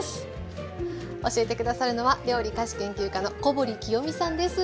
教えて下さるのは料理・菓子研究家の小堀紀代美さんです。